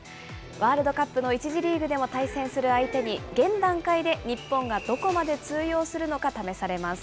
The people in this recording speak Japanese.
ワールドカップの１次リーグでも対戦する相手に、現段階で日本がどこまで通用するのか、試されます。